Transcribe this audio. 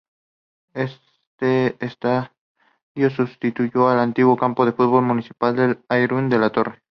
Este estadio substituyó al antiguo Campo de Fútbol Municipal de Alhaurín de la Torre.